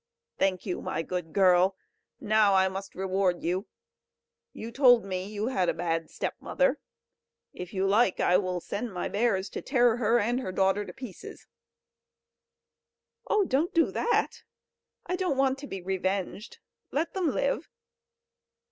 "Thank you, my good girl; now I must reward you. You told me you had a bad stepmother; if you like, I will send my bears to tear her and her daughter in pieces." "Oh! don't do that! I don't want to be revenged; let them live!"